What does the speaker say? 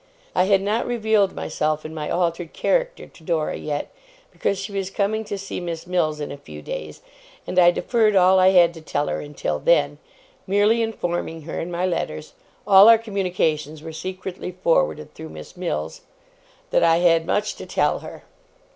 I had not revealed myself in my altered character to Dora yet, because she was coming to see Miss Mills in a few days, and I deferred all I had to tell her until then; merely informing her in my letters (all our communications were secretly forwarded through Miss Mills), that I had much to tell her.